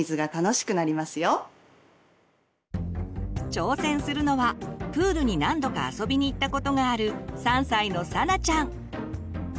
挑戦するのはプールに何度か遊びに行ったことがある３歳のさなちゃん。